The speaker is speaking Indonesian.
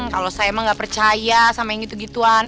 kalau saya emang gak percaya sama yang gitu gituan